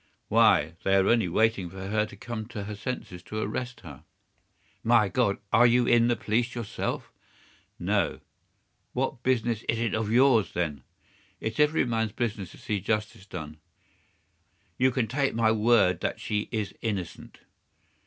"Why, they are only waiting for her to come to her senses to arrest her." "My God! Are you in the police yourself?" "No." "What business is it of yours, then?" "It's every man's business to see justice done." "You can take my word that she is innocent."